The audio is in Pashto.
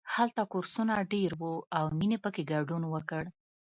هلته کورسونه ډېر وو او مینې پکې ګډون وکړ